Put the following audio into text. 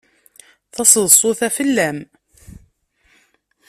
Taseḍsut-a fell-am.